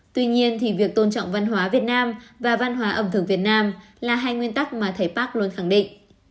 tuy nhiên thì việc tôn trọng văn hóa việt nam và văn hóa ẩm thực việt nam là hai nguyên tắc mà thầy park luôn khẳng định